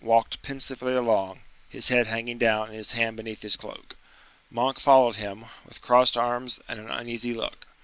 walked pensively along, his head hanging down and his hand beneath his cloak. Monk followed him, with crossed arms and an uneasy look.